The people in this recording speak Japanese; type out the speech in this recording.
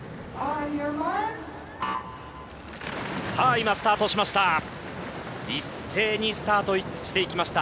今、スタートしました。